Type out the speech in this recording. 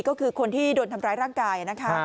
ก็คือคนที่โดนทำร้ายร่างกายนะคะ